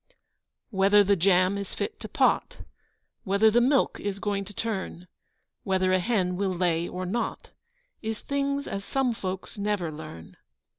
Whether the jam is fit to pot, Whether the milk is going to turn, Whether a hen will lay or not, Is things as some folks never learn.